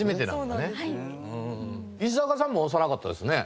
石坂さんも押さなかったですね。